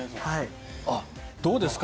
どうですか？